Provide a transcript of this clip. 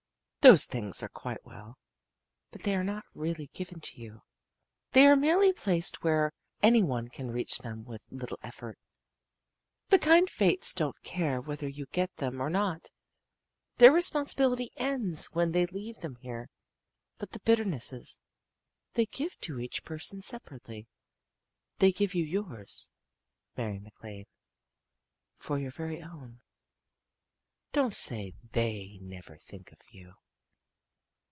Those things are quite well, but they are not really given to you. They are merely placed where any one can reach them with little effort. The kind fates don't care whether you get them or not. Their responsibility ends when they leave them there. But the bitternesses they give to each person separately. They give you yours, Mary MacLane, for your very own. Don't say they never think of you."